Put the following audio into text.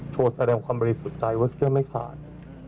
แสดงความบริสุทธิ์ใจว่าเสื้อไม่ขาด